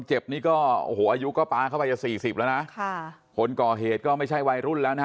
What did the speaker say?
เจ็บนี่ก็โอ้โหอายุก็ป๊าเข้าไปจะสี่สิบแล้วนะค่ะคนก่อเหตุก็ไม่ใช่วัยรุ่นแล้วนะฮะ